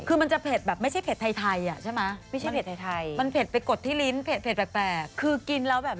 เวลาเหมือนเราฉีดยาชาเวลาเราไปถอนฟันอย่างนั้น